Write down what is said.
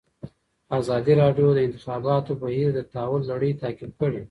ازادي راډیو د د انتخاباتو بهیر د تحول لړۍ تعقیب کړې.